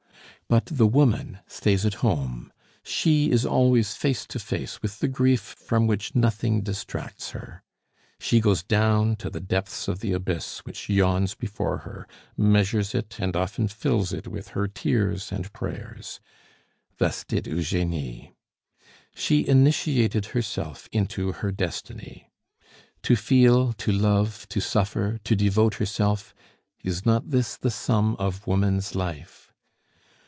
But the woman stays at home; she is always face to face with the grief from which nothing distracts her; she goes down to the depths of the abyss which yawns before her, measures it, and often fills it with her tears and prayers. Thus did Eugenie. She initiated herself into her destiny. To feel, to love, to suffer, to devote herself, is not this the sum of woman's life?